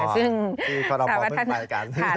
ซึ่งสามารถว่าท่าน